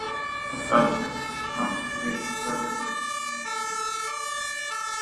Its archive is now curated by the British Film Institute.